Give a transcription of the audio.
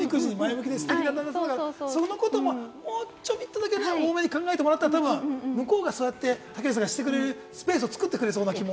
ステキな旦那さんだから、そのことももうちょびっとだけ多めに考えてもらえたら向こうがそうやって竹内さんがしてくれるスペースを作ってくれそうな気も。